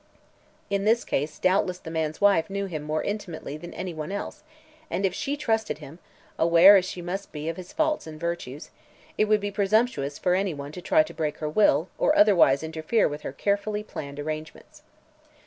In this case doubtless the man's wife knew him more intimately than anyone else and if she trusted him, aware as she must be of his faults and virtues, it would be presumptuous for anyone to try to break her will or otherwise interfere with her carefully planned arrangements.